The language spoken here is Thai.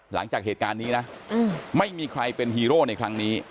หลังจากเหตุการณ์นี้นะไม่มีใครเป็นฮีโร่ในครั้งนี้